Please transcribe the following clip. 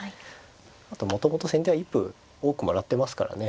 あともともと先手は一歩多くもらってますからね。